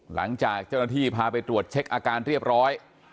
หลังจากเจ้าหน้าที่พาไปตรวจเช็คอาการเรียบร้อย